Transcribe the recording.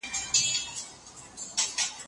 یو استعماري پلان دی، چي د پښتنو د هویت د له